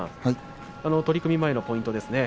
取組前のポイントですね